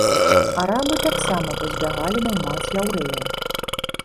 Арабы таксама пазбягалі наймаць яўрэяў.